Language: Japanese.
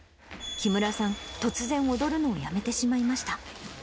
木村さん、突然、踊るのをやめてしまいました。